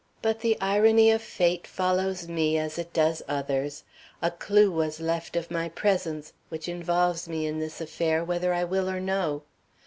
But the irony of fate follows me as it does others. A clew was left of my presence, which involves me in this affair, whether I will or no.